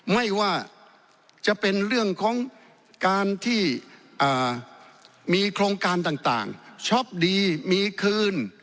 ไม่ว่าจะเป็นเรื่องของการที่มีโครงการต่างช็อปดีมีคืน